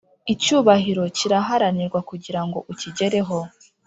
Icyubahiro kiraharanirwa kugirango ukigereho